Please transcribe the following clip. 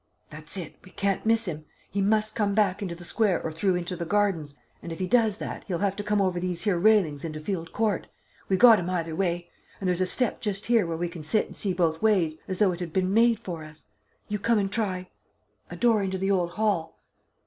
"That's it. We can't miss him. He must come back into the square or through into the gardens, and if he does that he'll have to come over these here railings into Field Court. We got him either way, and there's a step just here where we can sit and see both ways as though it had been made for us. You come and try ... a door into the old hall